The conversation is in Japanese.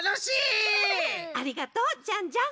ありがとうジャンジャン。